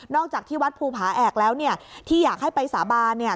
จากที่วัดภูผาแอกแล้วเนี่ยที่อยากให้ไปสาบานเนี่ย